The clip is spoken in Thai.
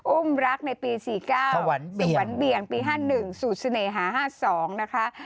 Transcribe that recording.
อุ้มรักในปี๔๙สวนเบี่ยงปี๕๑สูตรเสน่หา๕๒นะคะ